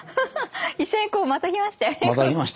一緒にこうまたぎましたよね。